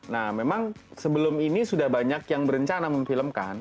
nah memang sebelum ini sudah banyak yang berencana memfilmkan